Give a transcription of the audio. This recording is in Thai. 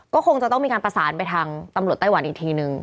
ก็คงจะต้องมีการประสานไปทางตำรวจไต้หวันอีกทีนึง